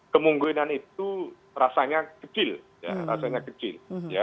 kemungkinan itu rasanya kecil